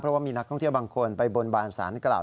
เพราะว่ามีนักท่องเที่ยวบางคนไปบนบานสารกล่าว